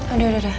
aduh udah udah